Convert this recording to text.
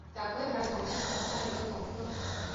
甲胄海葵总科是海葵目下的一总科。